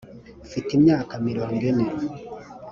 mfite imyaka mirongo ine